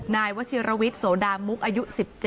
นายวชิรวิทย์โสดามุกอายุ๑๗